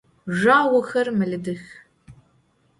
Zjüağoxer melıdıx.